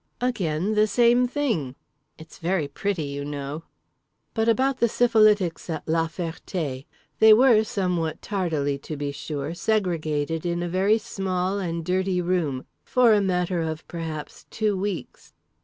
Again the same thing. It's very pretty, you know." But about the syphilitics at La Ferté: they were, somewhat tardily to be sure, segregated in a very small and dirty room—for a matter of, perhaps, two weeks.